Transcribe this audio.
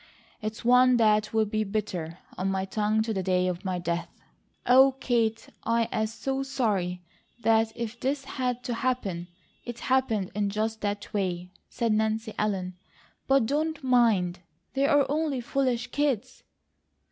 It's one that will be bitter on my tongue to the day of my death." "Oh, Kate, I as so sorry that if this had to happen, it happened in just that way," said Nancy Ellen, "but don't mind. They're only foolish kids!"